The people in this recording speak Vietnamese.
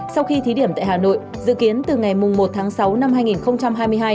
sau khi thí điểm tại hà nội dự kiến từ ngày một tháng sáu năm hai nghìn hai mươi hai